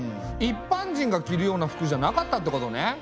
一般人が着るような服じゃなかったってことね。